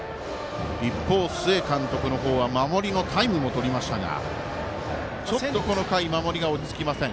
一方、須江監督の方は守りのタイムもとりましたがこの回、守りが落ち着きません。